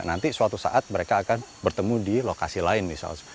nanti suatu saat mereka akan bertemu di lokasi lain misal